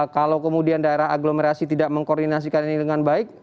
kalau kemudian daerah aglomerasi tidak mengkoordinasikan ini dengan baik